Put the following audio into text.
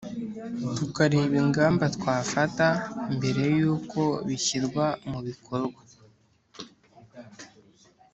tukareba ingamba twafata mbere yuko bishyirwa mu bikorwa